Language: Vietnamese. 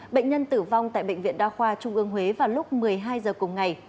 bệnh nhân tử vong tại bệnh viện đa khoa trung ương huế vào lúc một mươi hai h cùng ngày